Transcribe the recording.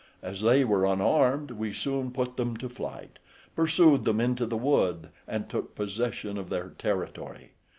As they were unarmed, we soon put them to flight, pursued them into the wood, and took possession of their territory.